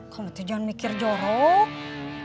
kamu tuh jangan mikir jorok